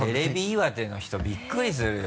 岩手の人びっくりするよ